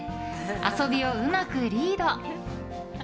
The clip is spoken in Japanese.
遊びをうまくリード。